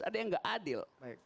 ada yang enggak adil